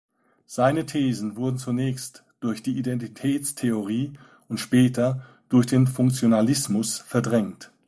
Seine Thesen wurden zunächst durch die Identitätstheorie und später durch den Funktionalismus verdrängt.